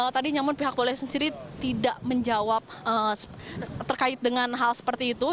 tadi namun pihak polisi sendiri tidak menjawab terkait dengan hal seperti itu